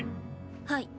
はい。